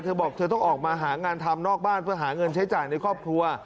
เธอบอกเธอต้องออกมาหางานทำนอกบ้านเพื่อหาเงินใช้จ่ายในครอบครัว